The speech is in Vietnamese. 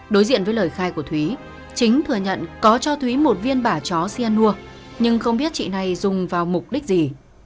đối diện với lời khai của thúy chính thừa nhận có cho thúy một viên bà chó cyanur nhưng không biết chị này dùng vào mục đích gì